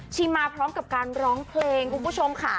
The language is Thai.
มาพร้อมกับการร้องเพลงคุณผู้ชมค่ะ